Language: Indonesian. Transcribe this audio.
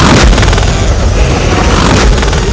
mereka akan menemukan